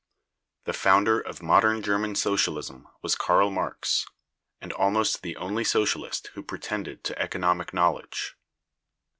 The founder of modern German socialism was Karl Marx,(150) and almost the only Socialist who pretended to economic knowledge.